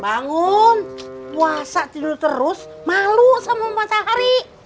bangun puasa tidur terus malu sama matahari